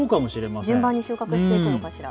順番に収穫していくのかしら。